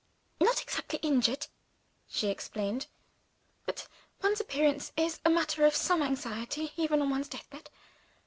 "Not exactly injured," she explained; "but one's appearance is a matter of some anxiety even on one's death bed.